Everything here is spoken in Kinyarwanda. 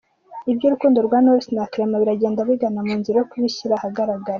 Iby’urukundo rwa Knowless na Clement biragenda bigana mu nzira yo kubishyira ahagaragara.